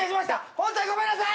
ホントにごめんなさい！